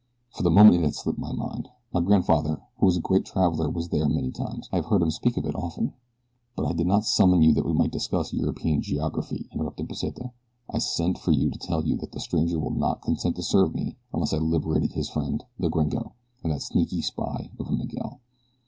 For the moment it had slipped my mind. My grandfather who was a great traveler was there many times. I have heard him speak of it often." "But I did not summon you that we might discuss European geography," interrupted Pesita. "I sent for you to tell you that the stranger would not consent to serve me unless I liberated his friend, the gringo, and that sneaking spy of a Miguel.